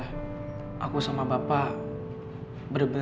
chair nya ng puntotaker lima